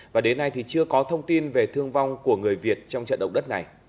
và đến nay thì chưa có thông tin về thương vong của người việt trong trận động đất này